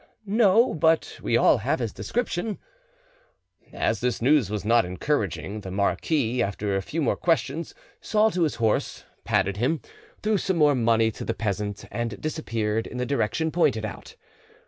"No, but we all have his description." As this news was not encouraging, the marquis, after a few more questions, saw to his horse, patted him, threw some more money to the peasant, and disappeared in the direction pointed out.